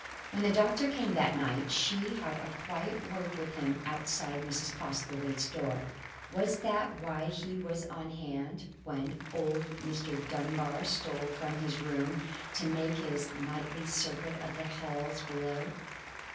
When the doctor came that night she had a quiet word with him outside Mrs. Postlethwaite's door. Was that why he was on hand when old Mr. Dunbar stole from his room to make his nightly circuit of the halls below?